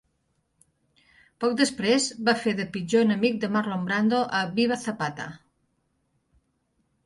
Poc després, va fer de pitjor enemic de Marlon Brando a "Viva Zapata!".